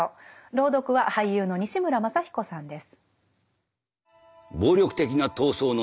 朗読は俳優の西村まさ彦さんです。